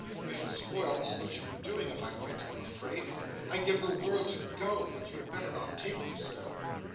I should spoil all that you were doing if I went, I'm afraid. I'd give the world to go, but you had better not take me, Sir.